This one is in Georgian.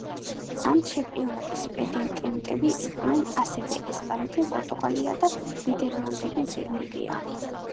ამ ჩემპიონატის პრეტენდენტები იყვნენ ასევე ესპანეთი-პორტუგალია და ნიდერლადები-ბელგია.